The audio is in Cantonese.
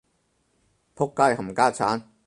僕街冚家鏟